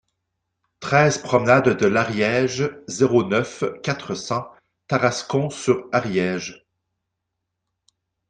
treize promenade de l'Ariège, zéro neuf, quatre cents, Tarascon-sur-Ariège